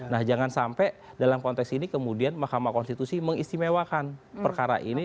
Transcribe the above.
nah jangan sampai dalam konteks ini kemudian mahkamah konstitusi mengistimewakan perkara ini